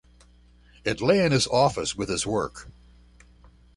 It lay in his office with his Work.